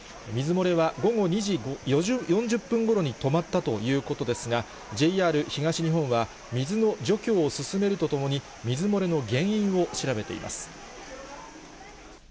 水漏れは午後２時４０分ごろに止まったということですが、ＪＲ東日本は、水の除去を進めるとともに、水漏れの原因を調べています。